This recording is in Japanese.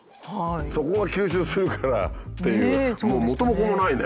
そこが吸収するからっていう元も子もないね。